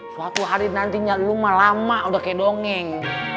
suatu hari nantinya lo mah lama udah kayak dongeng